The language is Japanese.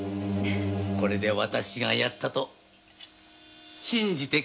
これで私がやったと信じてくれるかね？